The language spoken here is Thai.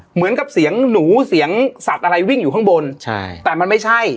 เหมือนกับเสียงหนูเสียงสัตว์อะไรวิ่งอยู่ข้างบนใช่แต่มันไม่ใช่